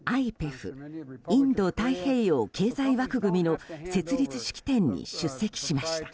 ・インド太平洋経済枠組みの設立式典に出席しました。